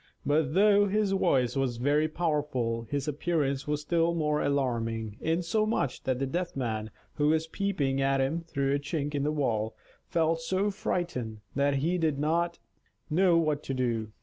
But though his voice was very powerful, his appearance was still more alarming, insomuch that the Deaf Man, who was peeping at him through a chink in the wall, felt so frightened that he did not know what to do.